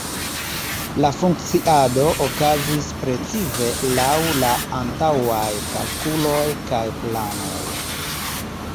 La funkciado okazis precize laŭ la antaŭaj kalkuloj kaj planoj.